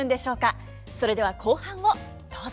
それでは後半をどうぞ。